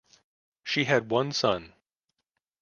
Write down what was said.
She had one son.